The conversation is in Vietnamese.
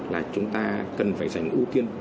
là chúng ta cần phải dành ưu tiên